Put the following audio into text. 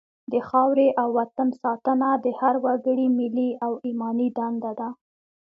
د خاورې او وطن ساتنه د هر وګړي ملي او ایماني دنده ده.